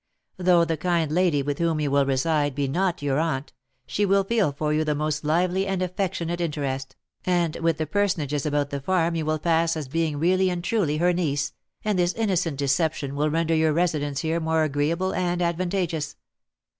Though the kind lady with whom you will reside be not your aunt, she will feel for you the most lively and affectionate interest, and with the personages about the farm you will pass as being really and truly her niece, and this innocent deception will render your residence here more agreeable and advantageous.